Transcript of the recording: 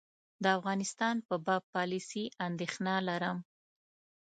د افغانستان په باب پالیسي اندېښنه لرم.